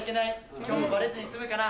今日もバレずに済むかな。